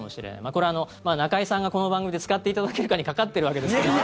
これは中居さんがこの番組で使っていただけるかにかかってるわけですけれども。